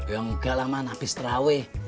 ya enggak lah man abis terawih